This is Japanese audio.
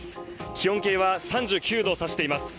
気温計は３９度を指しています。